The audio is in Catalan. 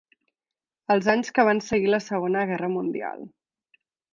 Els anys que van seguir la segona guerra mundial.